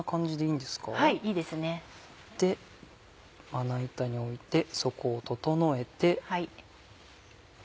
まな板に置いて底を整えて。